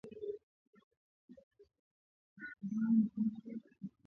Maji ya baridi inaumishaka meno